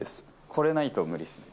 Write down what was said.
これないと無理っすね。